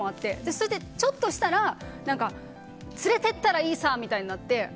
それで、ちょっとしたら連れてったらいいさみたいになって。